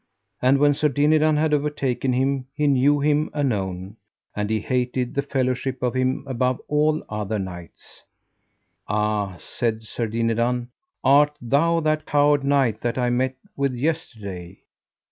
And when Sir Dinadan had overtaken him he knew him anon, and he hated the fellowship of him above all other knights. Ah, said Sir Dinadan, art thou that coward knight that I met with yesterday?